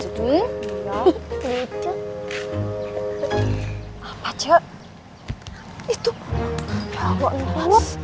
itu jangan luup